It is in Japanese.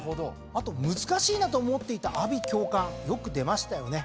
あと難しいなと思っていた「阿鼻叫喚」よく出ましたよね。